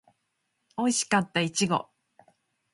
おいしかったいちご